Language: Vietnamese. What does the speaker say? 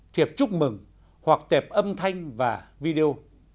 tệp chúc mừng hoặc tệp âm thanh và video